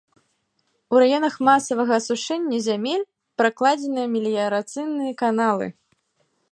У раёнах масавага асушэння зямель пракладзеныя меліярацыйныя каналы.